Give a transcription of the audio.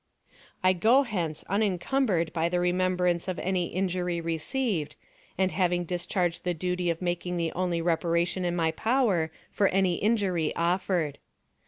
I go hence unencumbered by the remembrance of any injury received, and having discharged the duty of making the only reparation in my power for any injury offered.